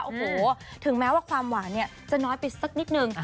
โอ้โหถึงแม้ว่าความหวานเนี่ยจะน้อยไปสักนิดนึง